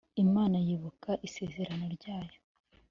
Imana yibuka isezerano ryayo